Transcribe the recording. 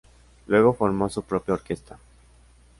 Luego formó su propia orquesta.